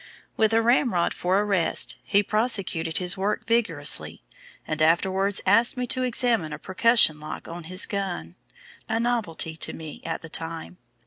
With a ramrod for a rest, he prosecuted his work vigorously, and afterwards asked me to examine a percussion lock on his gun, a novelty to me at the time.